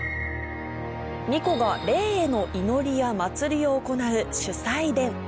巫女が霊への祈りや祀りを行う主祭殿